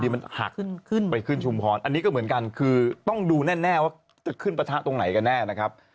มันหักขึ้นไปขึ้นชุมพรอันนี้ก็เหมือนกันคือต้องดูแน่ว่าจะขึ้นประทะตรงไหนกันแน่นะครับ